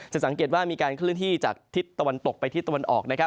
สังเกตว่ามีการเคลื่อนที่จากทิศตะวันตกไปทิศตะวันออกนะครับ